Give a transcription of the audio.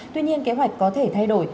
tuy nhiên kế hoạch có thể thay đổi